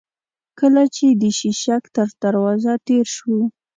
کله چې د شېشک تر دروازه تېر شوو.